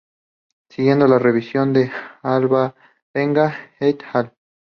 Siguiendo la revisión de Alvarenga et al.